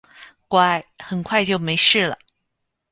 乖，很快就没事了